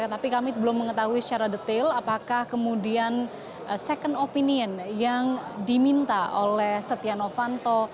tapi kami belum mengetahui secara detail apakah kemudian second opinion yang diminta oleh setia novanto